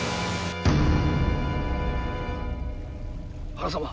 原様。